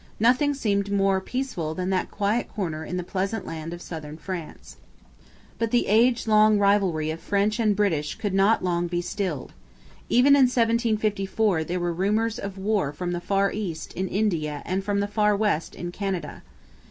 Nothing seemed more peaceful than that quiet corner in the pleasant land of southern France. But the age long rivalry of French and British could not long be stilled. Even in 1754 there were rumours of war from the Far East in India and from the Far West in Canada.